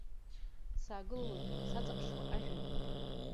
Саагылалоит саҵаԥшуа ажәҩан.